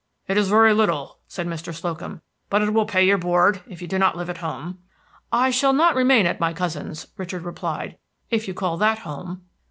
"It is very little," said Mr. Slocum, "but it will pay your board, if you do not live at home." "I shall not remain at my cousin's," Richard replied, "if you call that home."